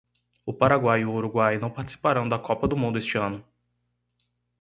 O Paraguai e o Uruguai não participarão da Copa do Mundo este ano.